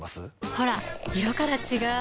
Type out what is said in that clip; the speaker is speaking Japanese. ほら色から違う！